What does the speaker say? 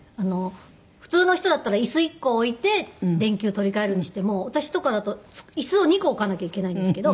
普通の人だったら椅子１個置いて電球取り替えるにしても私とかだと椅子を２個置かなきゃいけないんですけど。